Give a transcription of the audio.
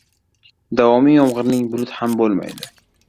• Davomiy yomg‘irning buluti ham bo‘lmaydi.